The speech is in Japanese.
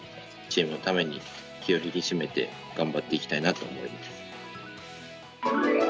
チームのために気を引き締めて、頑張っていきたいなと思います。